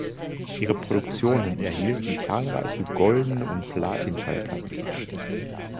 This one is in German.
Ihre Produktionen erhielten zahlreiche Goldene und Platin-Schallplatten.